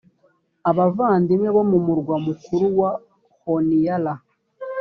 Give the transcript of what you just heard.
abavandimwe bo mu murwa mukuru wa honiara